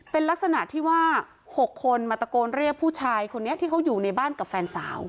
เป็นลักษณะที่ว่า๖คนมาตะโกนเรียกผู้ชายคนนี้ที่เขาอยู่ในบ้านกับแฟนสาว